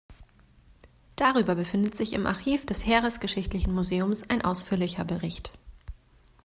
Darüber befindet sich im Archiv des Heeresgeschichtlichen Museums ein ausführlicher Bericht.